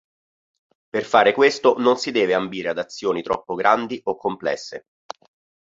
Per fare questo non si deve ambire ad azioni troppo grandi o complesse.